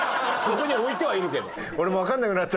ここに置いてはいるけど。